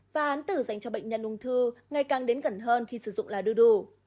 và án tử dành cho bệnh nhân ung thư ngày càng đến gần hơn khi sử dụng là đưa đủ